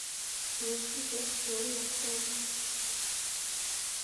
პირველში გვაქვს ორი ათეული.